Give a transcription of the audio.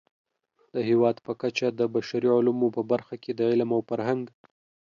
د هېواد په کچه د بشري علومو په برخه کې د علم او فرهنګ